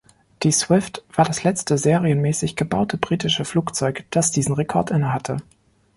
Die "Swift" war das letzte serienmäßig gebaute britische Flugzeug, das diesen Rekord innehatte.